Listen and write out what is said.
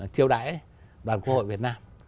chiêu đãi đoàn quốc hội việt nam